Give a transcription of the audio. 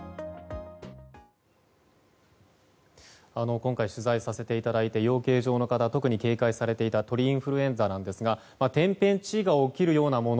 今回取材させていただいた養鶏場の方が特に警戒されていた鳥インフルエンザなんですが天変地異が起きるようなもの